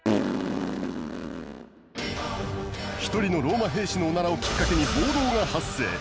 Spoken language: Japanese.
一人のローマ兵士のオナラをきっかけに暴動が発生。